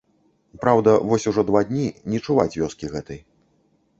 Праўда, вось ужо два дні не чуваць вёскі гэтай.